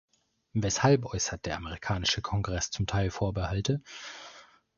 Weshalb äußert der amerikanische Kongreß zum Teil Vorbehalte ?